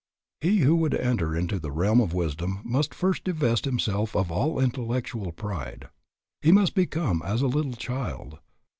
He who would enter into the realm of wisdom must first divest himself of all intellectual pride. He must become as a little child.